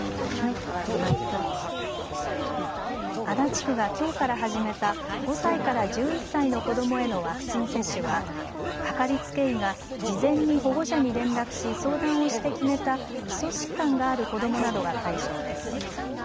足立区がきょうから始めた５歳から１１歳の子どもへのワクチン接種はかかりつけ医が事前に保護者に連絡し相談をして決めた基礎疾患がある子どもなどが対象です。